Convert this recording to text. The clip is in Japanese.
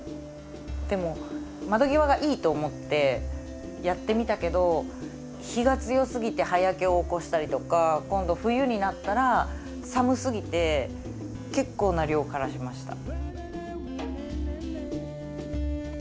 でも窓際がいいと思ってやってみたけど日が強すぎて葉焼けを起こしたりとか今度冬になったら寒すぎて結構な量枯らしました。